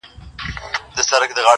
ددغه خلگو په كار، كار مه لره~